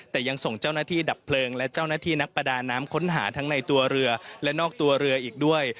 แต่ยังส่งเจ้าหน้าที่ดับเพลิงและเจ้าหน้าที่นักประดาน้ำค้นหาทั้งในตัวเรือและนอกตัวเรืออีกด้วย